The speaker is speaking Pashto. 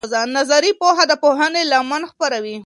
نظري پوهه د پوهنې لمن پراخوي.